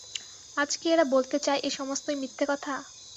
আজ কি এরা বলতে চায় এ সমস্তই মিথ্যে কথা?